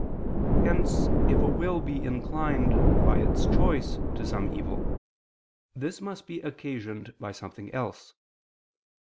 Hence, if a will be inclined, by its choice, to some evil, this must be occasioned by something else.